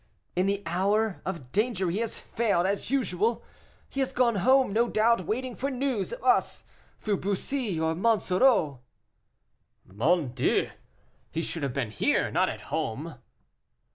"In the hour of danger he has failed, as usual. He has gone home, no doubt, waiting for news of us, through Bussy or Monsoreau." "Mon Dieu! he should have been here; not at home."